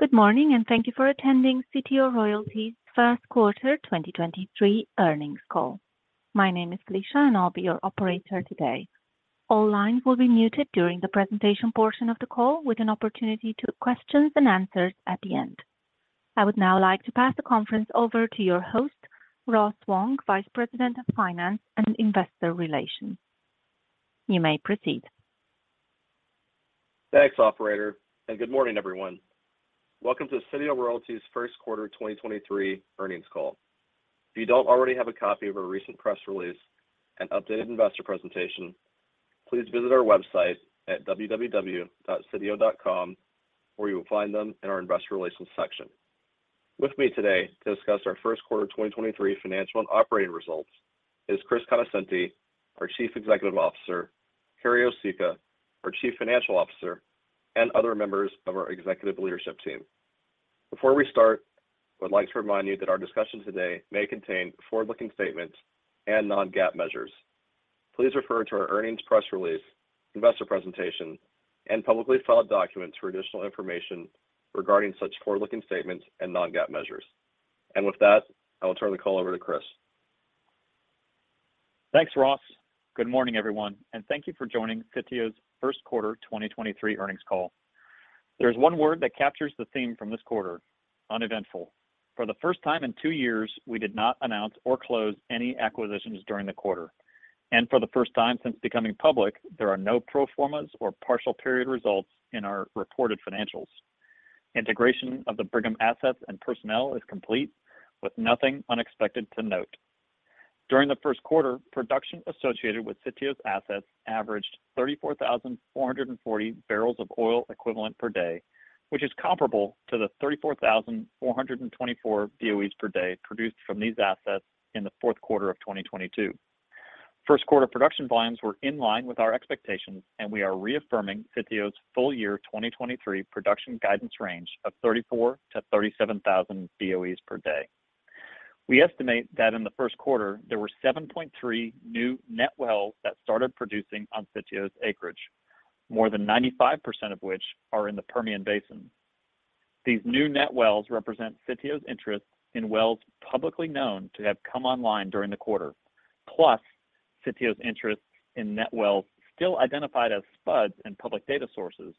Good morning. Thank you for attending Sitio Royalties' Q1 2023 earnings call. My name is Felicia, and I'll be your operator today. All lines will be muted during the presentation portion of the call with an opportunity to questions and answers at the end. I would now like to pass the conference over to your host, Ross Wong, Vice President of Finance and Investor Relations. You may proceed. Thanks, operator. Good morning, everyone. Welcome to Sitio Royalties' Q1 2023 earnings call. If you don't already have a copy of our recent press release and updated investor presentation, please visit our website at www.sitio.com, where you will find them in our investor relations section. With me today to discuss our Q1 2023 financial and operating results is Chris Conoscenti, our Chief Executive Officer, Carrie Osicka, our Chief Financial Officer, and other members of our executive leadership team. Before we start, I would like to remind you that our discussion today may contain forward-looking statements and non-GAAP measures. Please refer to our earnings press release, investor presentation, and publicly filed documents for additional information regarding such forward-looking statements and non-GAAP measures. With that, I will turn the call over to Chris. Thanks, Ross. Good morning, everyone, and thank you for joining Sitio's Q1 2023 earnings call. There is one word that captures the theme from this quarter, uneventful. For the first time in 2 years, we did not announce or close any acquisitions during the quarter. For the first time since becoming public, there are no pro formas or partial period results in our reported financials. Integration of the Brigham assets and personnel is complete with nothing unexpected to note. During the Q1, production associated with Sitio's assets averaged 34,440 barrels of oil equivalent per day, which is comparable to the 34,424 BOEs per day produced from these assets in the Q4 of 2022. Q1 production volumes were in line with our expectations. We are reaffirming Sitio's full year 2023 production guidance range of 34,000-37,000 BOEs per day. We estimate that in the Q1, there were 7.3 new net wells that started producing on Sitio's acreage, more than 95% of which are in the Permian Basin. These new net wells represent Sitio's interest in wells publicly known to have come online during the quarter, plus Sitio's interest in net wells still identified as spuds in public data sources,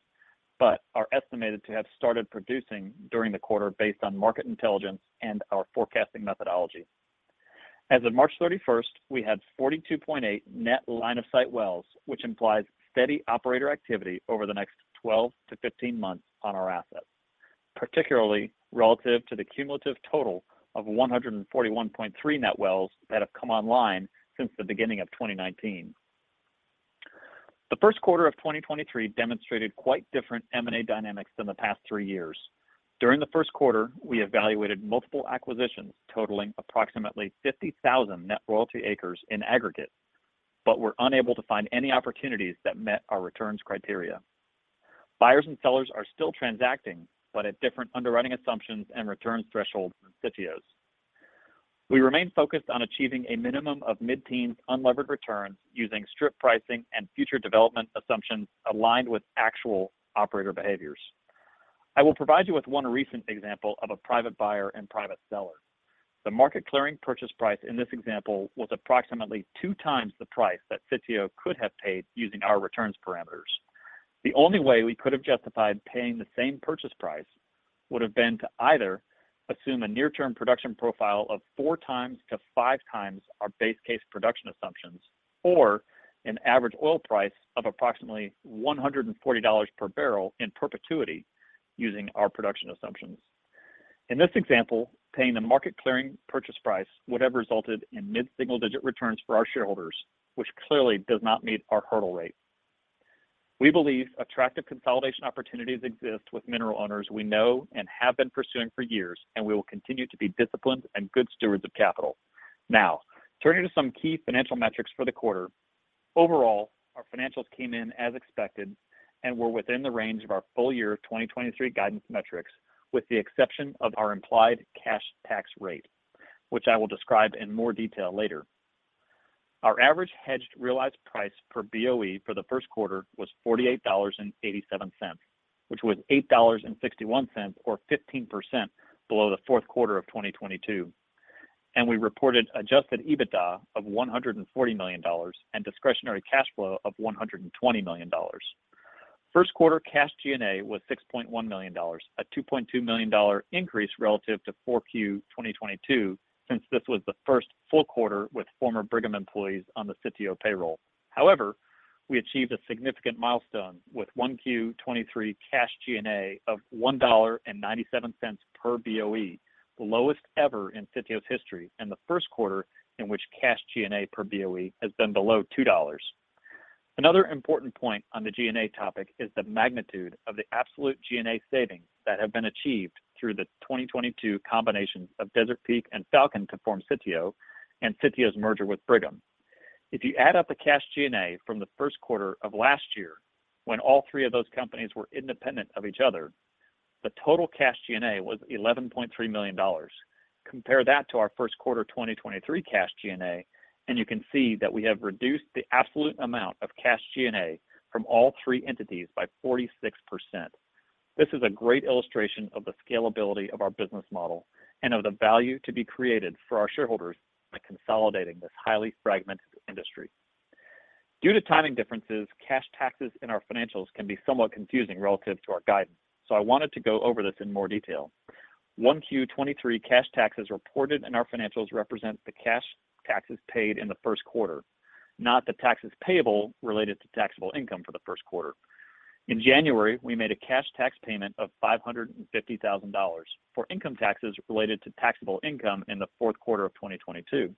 but are estimated to have started producing during the quarter based on market intelligence and our forecasting methodology. As of March 31st, we had 42.8 net line of sight wells, which implies steady operator activity over the next 12 to 15 months on our assets, particularly relative to the cumulative total of 141.3 net wells that have come online since the beginning of 2019. The Q1 of 2023 demonstrated quite different M&A dynamics than the past 3 years. During the Q1, we evaluated multiple acquisitions totaling approximately 50,000 net royalty acres in aggregate, were unable to find any opportunities that met our returns criteria. Buyers and sellers are still transacting, at different underwriting assumptions and returns thresholds than Sitio's. We remain focused on achieving a minimum of mid-teen unlevered returns using strip pricing and future development assumptions aligned with actual operator behaviors. I will provide you with one recent example of a private buyer and private seller. The market clearing purchase price in this example was approximately 2x the price that Sitio could have paid using our returns parameters. The only way we could have justified paying the same purchase price would have been to either assume a near-term production profile of 4x-5x our base case production assumptions or an average oil price of approximately $140 per barrel in perpetuity using our production assumptions. In this example, paying the market clearing purchase price would have resulted in mid-single-digit returns for our shareholders, which clearly does not meet our hurdle rate. We believe attractive consolidation opportunities exist with mineral owners we know and have been pursuing for years, and we will continue to be disciplined and good stewards of capital. Now, turning to some key financial metrics for the quarter. Overall, our financials came in as expected and were within the range of our full year 2023 guidance metrics, with the exception of our implied cash tax rate, which I will describe in more detail later. Our average hedged realized price per BOE for the Q1 was $48.87, which was $8.61 or 15% below the Q4 of 2022. We reported Adjusted EBITDA of $140 million and Discretionary Cash Flow of $120 million. Q1 Cash G&A was $6.1 million, a $2.2 million increase relative to 4Q 2022 since this was the first full quarter with former Brigham employees on the Sitio payroll. We achieved a significant milestone with 1Q 2023 Cash G&A of $1.97 per BOE, the lowest ever in Sitio's history and the Q1 in which Cash G&A per BOE has been below $2. Another important point on the G&A topic is the magnitude of the absolute G&A savings that have been achieved through the 2022 combination of Desert Peak and Falcon to form Sitio and Sitio's merger with Brigham. If you add up the Cash G&A from the Q1 of last year when all three of those companies were independent of each other, the total Cash G&A was $11.3 million. Compare that to our Q1 2023 Cash G&A, and you can see that we have reduced the absolute amount of Cash G&A from all three entities by 46%. This is a great illustration of the scalability of our business model and of the value to be created for our shareholders by consolidating this highly fragmented industry. Due to timing differences, cash taxes in our financials can be somewhat confusing relative to our guidance. I wanted to go over this in more detail. 1Q/23 cash taxes reported in our financials represent the cash taxes paid in the Q1, not the taxes payable related to taxable income for the Q1. In January, we made a cash tax payment of $550,000 for income taxes related to taxable income in the Q4 of 2022.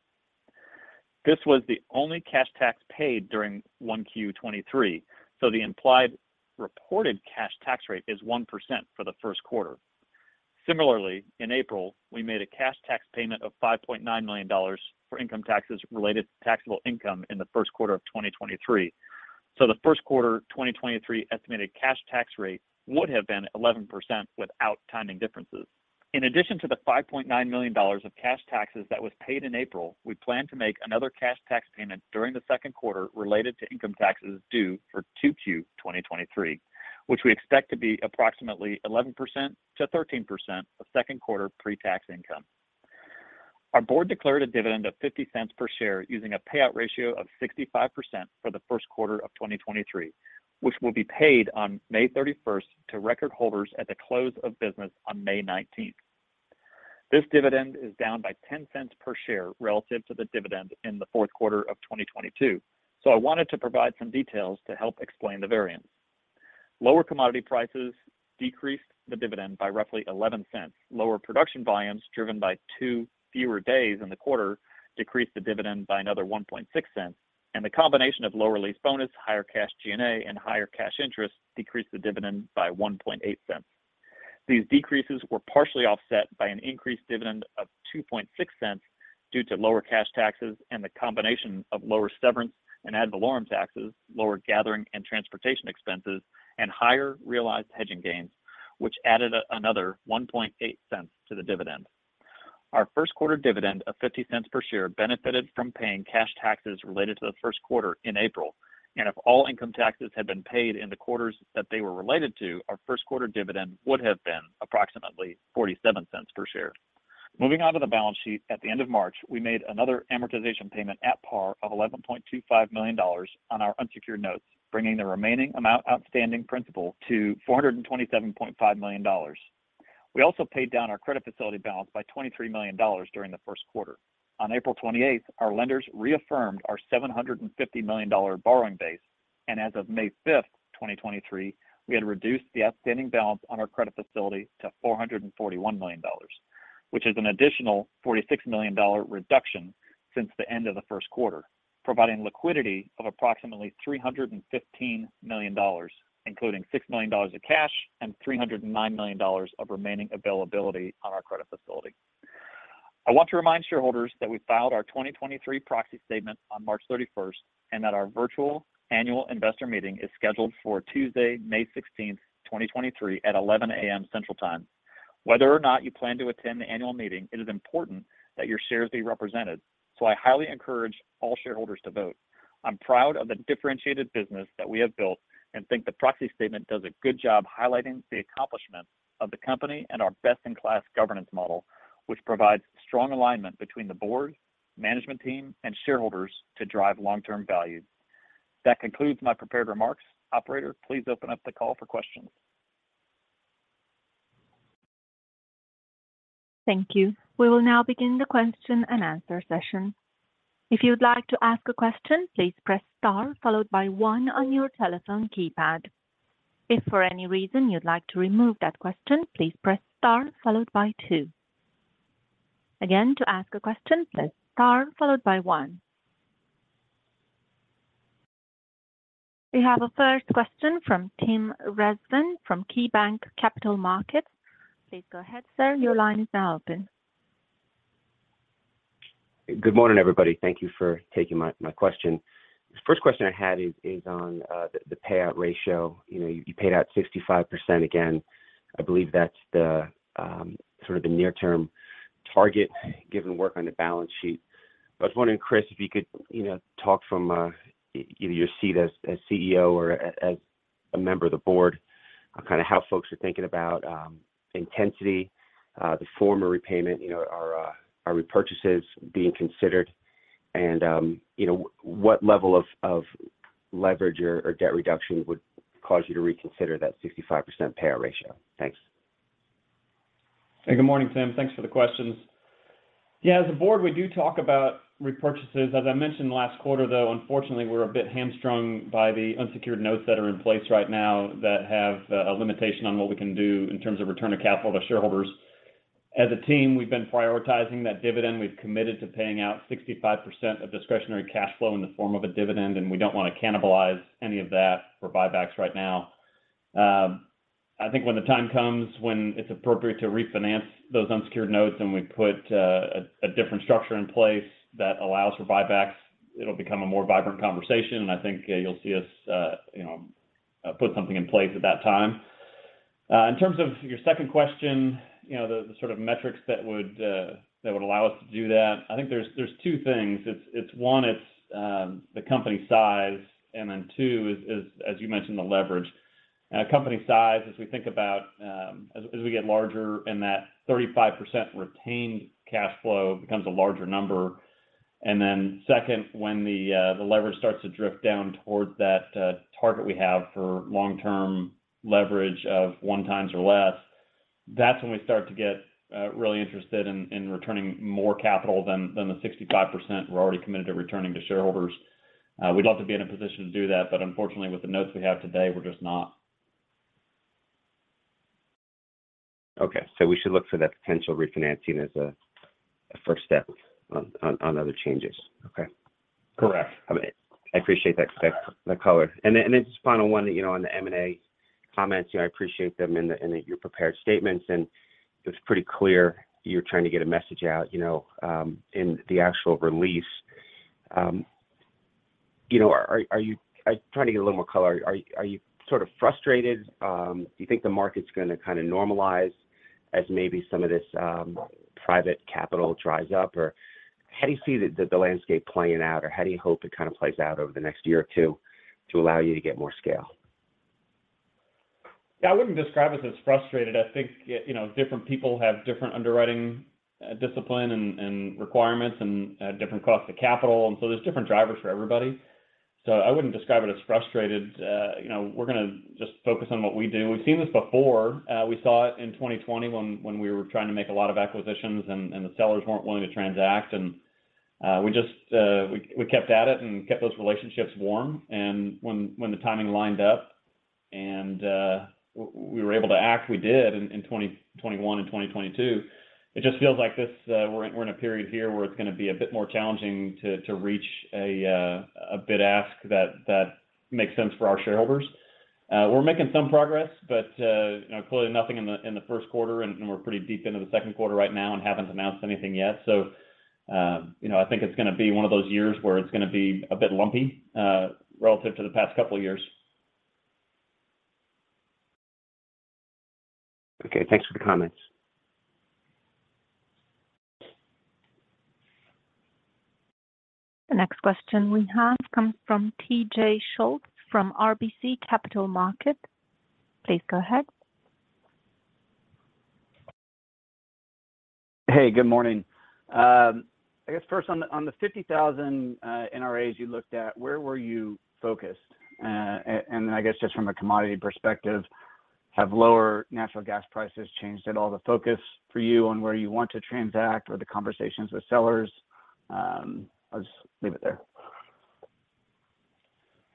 This was the only cash tax paid during 1Q/23. The implied reported cash tax rate is 1% for the Q1. Similarly, in April, we made a cash tax payment of $5.9 million for income taxes related to taxable income in the Q1 of 2023. The Q1 2023 estimated cash tax rate would have been 11% without timing differences. In addition to the $5.9 million of cash taxes that was paid in April, we plan to make another cash tax payment during the Q2 related to income taxes due for 2Q 2023, which we expect to be approximately 11%-13% of Q2 pre-tax income. Our board declared a dividend of $0.50 per share using a payout ratio of 65% for the Q1 of 2023, which will be paid on May 31st to record holders at the close of business on May 19th. This dividend is down by $0.10 per share relative to the dividend in the Q4 of 2022. I wanted to provide some details to help explain the variance. Lower commodity prices decreased the dividend by roughly $0.11. Lower production volumes driven by 2 fewer days in the quarter decreased the dividend by another $0.016. The combination of lower lease bonus, higher Cash G&A, and higher cash interest decreased the dividend by $0.018. These decreases were partially offset by an increased dividend of $0.026 due to lower cash taxes and the combination of lower severance and ad valorem taxes, lower gathering and transportation expenses, and higher realized hedging gains, which added another $0.018 to the dividend. Our Q1 dividend of $0.50 per share benefited from paying cash taxes related to the Q1 in April. If all income taxes had been paid in the quarters that they were related to, our Q1 dividend would have been approximately $0.47 per share. Moving on to the balance sheet, at the end of March, we made another amortization payment at par of $11.25 million on our unsecured notes, bringing the remaining amount outstanding principal to $427.5 million. We also paid down our credit facility balance by $23 million during the Q1. On April 28th, our lenders reaffirmed our $750 million borrowing base. As of May 5th, 2023, we had reduced the outstanding balance on our credit facility to $441 million, which is an additional $46 million reduction since the end of the Q1, providing liquidity of approximately $315 million, including $6 million of cash and $309 million of remaining availability on our credit facility. I want to remind shareholders that we filed our 2023 proxy statement on March 31st and that our virtual annual investor meeting is scheduled for Tuesday, May 16th, 2023 at 11:00 A.M. Central Time. Whether or not you plan to attend the annual meeting, it is important that your shares be represented, so I highly encourage all shareholders to vote. I'm proud of the differentiated business that we have built and think the proxy statement does a good job highlighting the accomplishments of the company and our best-in-class governance model, which provides strong alignment between the board, management team, and shareholders to drive long-term value. That concludes my prepared remarks. Operator, please open up the call for questions. Thank you. We will now begin the question and answer session. If you would like to ask a question, please press star followed by one on your telephone keypad. If for any reason you'd like to remove that question, please press star followed by two. Again, to ask a question, press star followed by one. We have a first question from Tim Rezvan from KeyBanc Capital Markets. Please go ahead, sir. Your line is now open. Good morning, everybody. Thank you for taking my question. The first question I had is on the payout ratio. You know, you paid out 65% again. I believe that's the sort of the near-term target given work on the balance sheet. I was wondering, Chris, if you could, you know, talk from, you know, your seat as CEO or as a member of the board on kind of how folks are thinking about intensity, the form of repayment. You know, are repurchases being considered? You know, what level of leverage or debt reduction would cause you to reconsider that 65% payout ratio? Thanks. Good morning, Tim. Thanks for the questions. As a board, we do talk about repurchases. As I mentioned last quarter, though, unfortunately, we're a bit hamstrung by the unsecured notes that are in place right now that have a limitation on what we can do in terms of return of capital to shareholders. As a team, we've been prioritizing that dividend. We've committed to paying out 65% of Discretionary Cash Flow in the form of a dividend, and we don't want to cannibalize any of that for buybacks right now. I think when the time comes, when it's appropriate to refinance those unsecured notes and we put a different structure in place that allows for buybacks, it'll become a more vibrant conversation, and I think, you'll see us, you know, put something in place at that time. In terms of your second question, you know, the sort of metrics that would allow us to do that, I think there's two things. It's one, the company size, and then two is as you mentioned, the leverage. Company size as we think about as we get larger and that 35% retained cash flow becomes a larger number. Second, when the leverage starts to drift down towards that target we have for long-term leverage of 1x or less, that's when we start to get really interested in returning more capital than the 65% we're already committed to returning to shareholders. We'd love to be in a position to do that, unfortunately with the notes we have today, we're just not. Okay. We should look for that potential refinancing as a first step on other changes. Okay. Correct. I appreciate that, the color. Just final one, you know, on the M&A comments. You know, I appreciate them in the, in your prepared statements, and it's pretty clear you're trying to get a message out, you know, in the actual release. You know, are you? I'm trying to get a little more color. Are you sort of frustrated? Do you think the market's gonna kind of normalize as maybe some of this private capital dries up? How do you see the landscape playing out, or how do you hope it kind of plays out over the next year or two to allow you to get more scale? Yeah, I wouldn't describe us as frustrated. I think, you know, different people have different underwriting discipline and requirements and different costs of capital, and so there's different drivers for everybody. So I wouldn't describe it as frustrated. You know, we're gonna just focus on what we do. We've seen this before. We saw it in 2020 when we were trying to make a lot of acquisitions and the sellers weren't willing to transact. We just kept at it and kept those relationships warm. When the timing lined up and we were able to act, we did in 2021 and 2022. It just feels like this, we're in a period here where it's gonna be a bit more challenging to reach a bid ask that makes sense for our shareholders. We're making some progress, but, you know, clearly nothing in the Q1, and we're pretty deep into the Q2 right now and haven't announced anything yet. I think it's gonna be one of those years where it's gonna be a bit lumpy, relative to the past couple of years. Okay. Thanks for the comments. The next question we have comes from TJ Schultz from RBC Capital Markets. Please go ahead. Hey, good morning. I guess first on the, on the 50,000 NRAs you looked at, where were you focused? I guess just from a commodity perspective, have lower natural gas prices changed at all the focus for you on where you want to transact or the conversations with sellers? I'll just leave it there.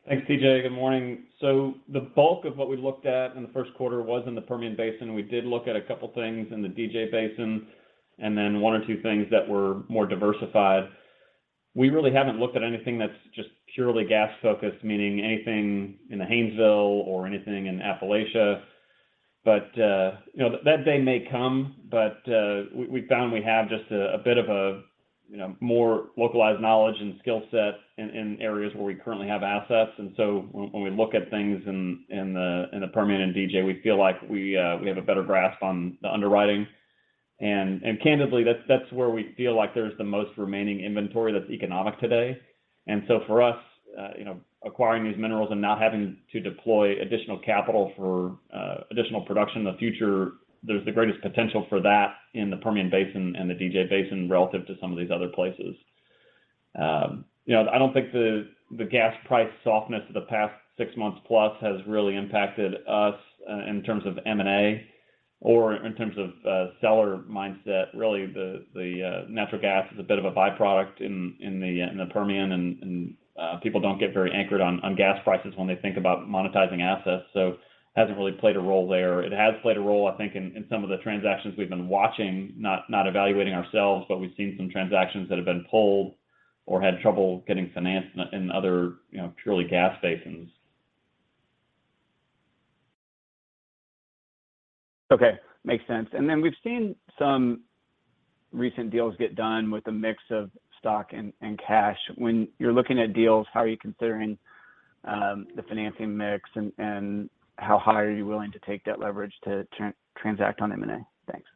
Thanks, TJ. Good morning. The bulk of what we looked at in the Q1 was in the Permian Basin. We did look at a couple things in the DJ Basin and then one or two things that were more diversified. We really haven't looked at anything that's just purely gas focused, meaning anything in the Haynesville or anything in Appalachia. But, you know, that day may come, but we found we have just a bit of a, you know, more localized knowledge and skill set in areas where we currently have assets. When we look at things in the Permian and DJ, we feel like we have a better grasp on the underwriting. Candidly, that's where we feel like there's the most remaining inventory that's economic today. For us, you know, acquiring these minerals and not having to deploy additional capital for additional production in the future, there's the greatest potential for that in the Permian Basin and the DJ Basin relative to some of these other places. You know, I don't think the gas price softness of the past six months plus has really impacted us in terms of M&A or in terms of seller mindset. The natural gas is a bit of a byproduct in the Permian and people don't get very anchored on gas prices when they think about monetizing assets. Hasn't really played a role there. It has played a role, I think, in some of the transactions we've been watching, not evaluating ourselves, but we've seen some transactions that have been pulled or had trouble getting financed in other, you know, purely gas basins. Okay. Makes sense. We've seen some recent deals get done with a mix of stock and cash. When you're looking at deals, how are you considering the financing mix and how high are you willing to take debt leverage to transact on M&A? Thanks.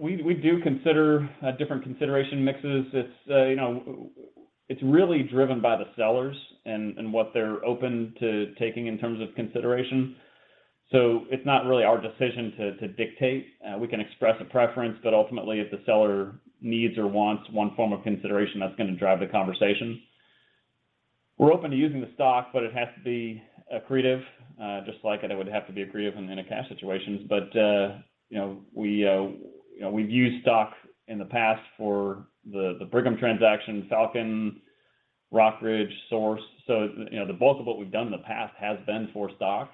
We do consider different consideration mixes. It's, you know, it's really driven by the sellers and what they're open to taking in terms of consideration. It's not really our decision to dictate. We can express a preference, but ultimately if the seller needs or wants one form of consideration, that's gonna drive the conversation. We're open to using the stock, but it has to be accretive, just like it would have to be accretive in a cash situation. You know, we, you know, we've used stock in the past for the Brigham transaction, Falcon, Rock Ridge, Source. You know, the bulk of what we've done in the past has been for stock,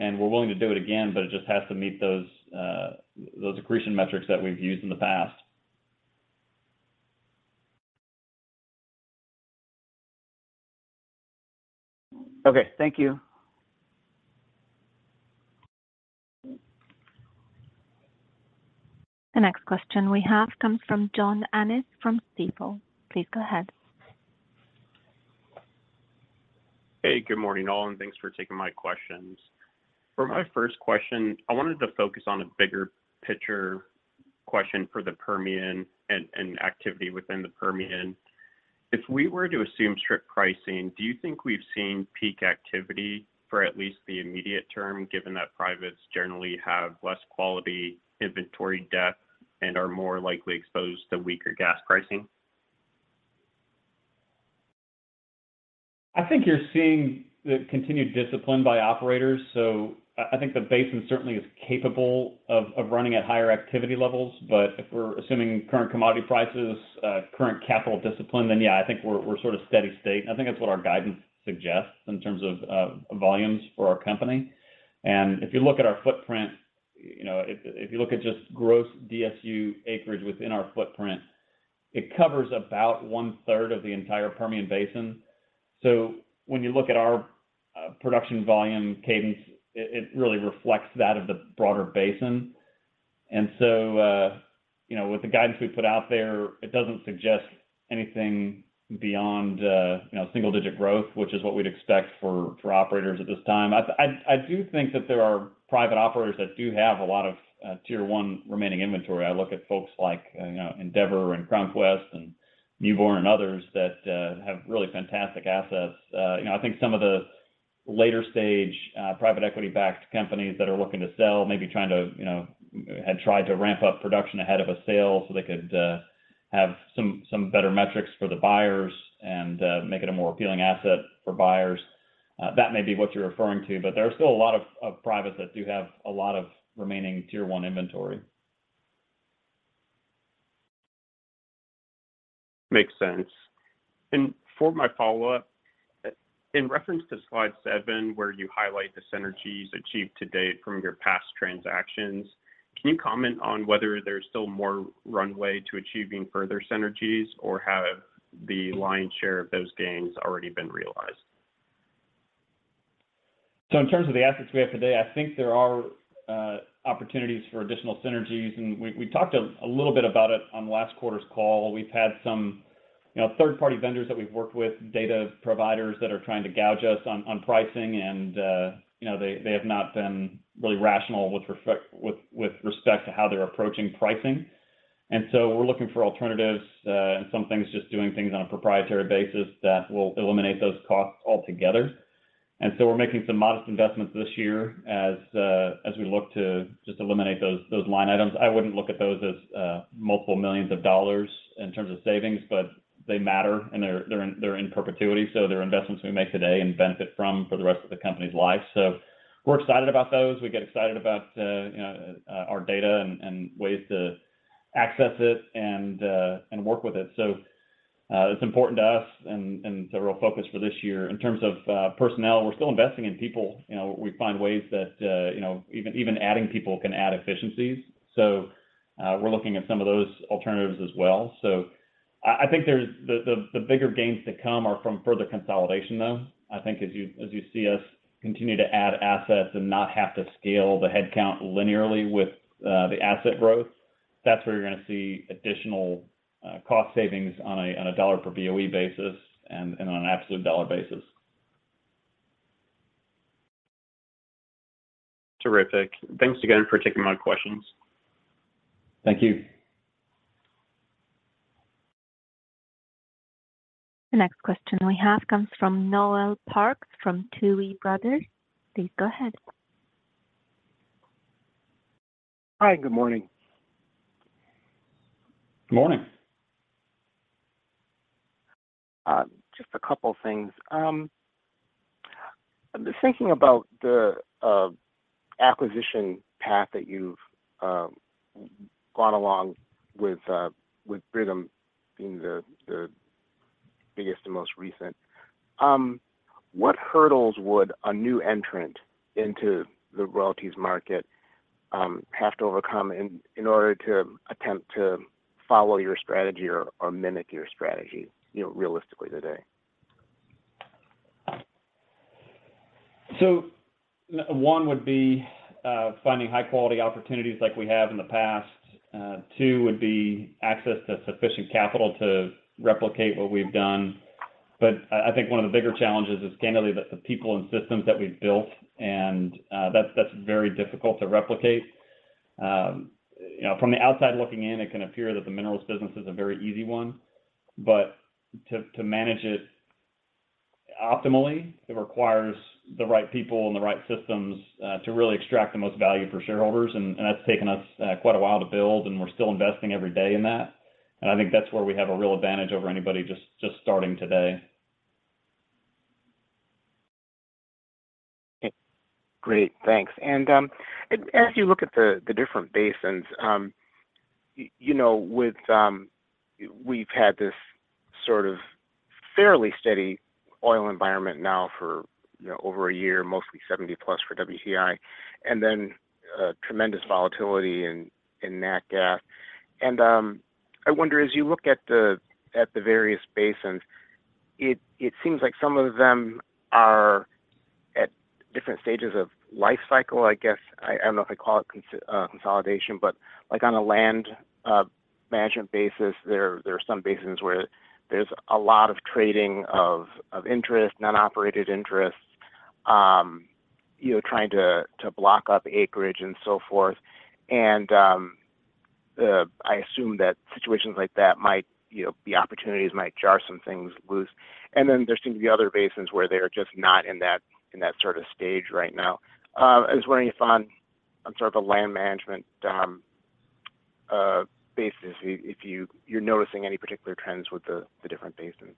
and we're willing to do it again, but it just has to meet those accretion metrics that we've used in the past. Okay. Thank you. The next question we have comes from John Annis from Seaport. Please go ahead. Hey, good morning, all, and thanks for taking my questions. For my first question, I wanted to focus on a bigger picture question for the Permian and activity within the Permian. If we were to assume strip pricing, do you think we've seen peak activity for at least the immediate term, given that privates generally have less quality inventory depth and are more likely exposed to weaker gas pricing? I think you're seeing the continued discipline by operators. I think the basin certainly is capable of running at higher activity levels. If we're assuming current commodity prices, current capital discipline, then yeah, I think we're sort of steady state, and I think that's what our guidance suggests in terms of volumes for our company. If you look at our footprint, you know, if you look at just gross DSU acreage within our footprint, it covers about one-third of the entire Permian Basin. When you look at our production volume cadence, it really reflects that of the broader basin. You know, with the guidance we've put out there, it doesn't suggest anything beyond, you know, single-digit growth, which is what we'd expect for operators at this time. I do think that there are private operators that do have a lot of tier one remaining inventory. I look at folks like, you know, Endeavor and CrownQuest and Mewbourne and others that have really fantastic assets. You know, I think some of the later stage private equity backed companies that are looking to sell may be had tried to ramp up production ahead of a sale so they could have some better metrics for the buyers and make it a more appealing asset for buyers. That may be what you're referring to, but there are still a lot of privates that do have a lot of remaining tier one inventory. Makes sense. For my follow-up, in reference to slide 7, where you highlight the synergies achieved to date from your past transactions, can you comment on whether there's still more runway to achieving further synergies, or have the lion's share of those gains already been realized? In terms of the assets we have today, I think there are opportunities for additional synergies. We talked a little bit about it on last quarter's call. We've had some, you know, third-party vendors that we've worked with, data providers that are trying to gouge us on pricing and, you know, they have not been really rational with respect to how they're approaching pricing. We're looking for alternatives, and some things just doing things on a proprietary basis that will eliminate those costs altogether. We're making some modest investments this year as we look to just eliminate those line items. I wouldn't look at those as multiple millions of dollars in terms of savings, but they matter, and they're in perpetuity. They're investments we make today and benefit from for the rest of the company's life. We're excited about those. We get excited about, you know, our data and ways to access it and work with it. It's important to us and it's a real focus for this year. In terms of personnel, we're still investing in people. You know, we find ways that, you know, even adding people can add efficiencies. We're looking at some of those alternatives as well. I think there's. The bigger gains to come are from further consolidation, though. I think as you see us continue to add assets and not have to scale the head count linearly with the asset growth, that's where you're gonna see additional cost savings on a dollar per BOE basis and on an absolute dollar basis. Terrific. Thanks again for taking my questions. Thank you. The next question we have comes from Noel Parks from Tuohy Brothers. Please go ahead. Hi. Good morning. Morning. Just a couple things. Thinking about the acquisition path that you've gone along with Brigham being the biggest and most recent, what hurdles would a new entrant into the royalties market have to overcome in order to attempt to follow your strategy or mimic your strategy, you know, realistically today? One would be, finding high-quality opportunities like we have in the past. Two would be access to sufficient capital to replicate what we've done. I think one of the bigger challenges is candidly the people and systems that we've built, and that's very difficult to replicate. You know, from the outside looking in, it can appear that the minerals business is a very easy one, but to manage it optimally, it requires the right people and the right systems to really extract the most value for shareholders. That's taken us quite a while to build, and we're still investing every day in that. I think that's where we have a real advantage over anybody just starting today. Great. Thanks. As you look at the different basins, you know, with... We've had this sort of fairly steady oil environment now for, you know, over a year, mostly 70 plus for WTI, and then tremendous volatility in nat gas. I wonder as you look at the various basins, it seems like some of them are at different stages of life cycle, I guess, I don't know if I'd call it consolidation, but like on a land, management basis, there are some basins where there's a lot of trading of interest, non-operated interests, you know, trying to block up acreage and so forth. I assume that situations like that might, you know, the opportunities might jar some things loose. There seem to be other basins where they are just not in that, in that sort of stage right now. I was wondering if on sort of a land management basis, if you're noticing any particular trends with the different basins.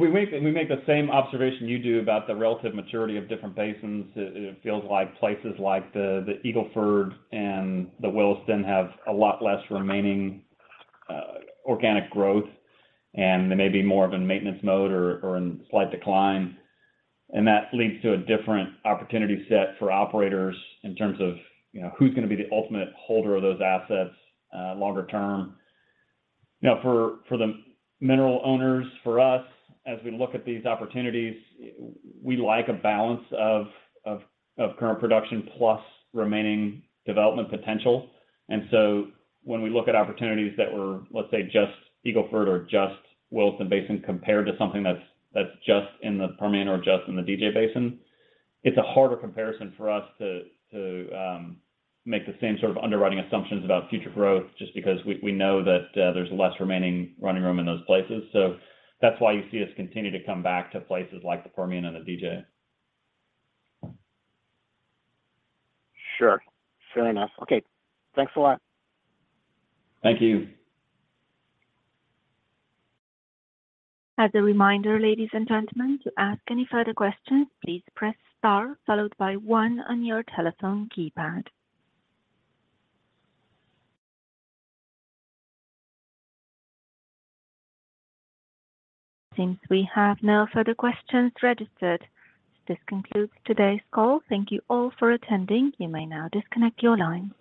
We make the same observation you do about the relative maturity of different basins. It feels like places like the Eagle Ford and the Williston have a lot less remaining organic growth, and they may be more of in maintenance mode or in slight decline. That leads to a different opportunity set for operators in terms of, you know, who's gonna be the ultimate holder of those assets, longer term. You know, for the mineral owners, for us, as we look at these opportunities, we like a balance of current production plus remaining development potential. When we look at opportunities that were, let's say, just Eagle Ford or just Williston Basin compared to something that's just in the Permian or just in the DJ Basin, it's a harder comparison for us to make the same sort of underwriting assumptions about future growth just because we know that there's less remaining running room in those places. That's why you see us continue to come back to places like the Permian and the DJ. Sure. Fair enough. Okay. Thanks a lot. Thank you. As a reminder, ladies and gentlemen, to ask any further questions, please press star followed by one on your telephone keypad. Since we have no further questions registered, this concludes today's call. Thank you all for attending. You may now disconnect your lines.